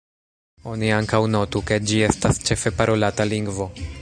Oni ankaŭ notu, ke ĝi estas ĉefe parolata lingvo.